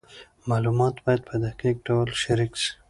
معلومات باید په دقیق ډول شریک سي.